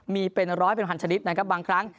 มีเป็นร้อยเป็นพันชนิดนะครับบางครั้ง